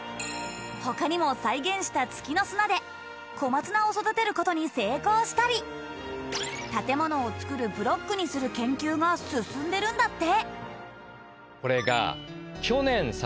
他にも再現した月の砂で小松菜を育てることに成功したり建物をつくるブロックにする研究が進んでるんだってこれが。